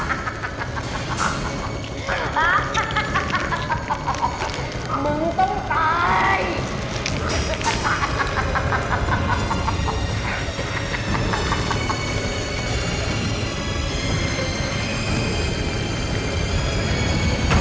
โอ๊ยขอบคุณมากนะปู่จะเป็นปู่กว่าป่อยตายแน่เลย